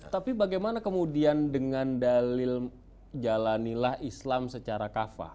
tapi bagaimana kemudian dengan dalil jalanilah islam secara kafah